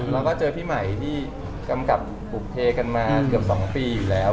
แล้วก็เจอพี่ใหม่ที่กำกับบุเพกันมาเกือบ๒ปีอยู่แล้ว